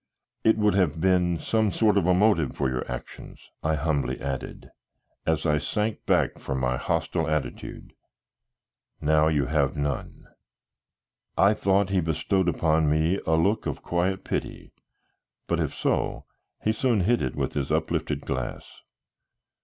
"It would have been some sort of a motive for your actions," I humbly added, as I sank back from my hostile attitude; "now you have none." I thought he bestowed upon me a look of quiet pity, but if so he soon hid it with his uplifted glass.